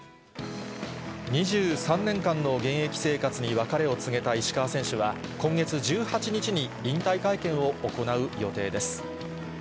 ２３年間の現役生活に別れを告げた石川選手は、今月１８日に引退会見を行う予定です。